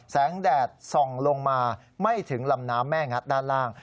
แดดส่องลงมาไม่ถึงลำน้ำแม่งัดด้านล่าง